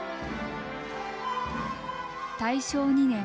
大正２年。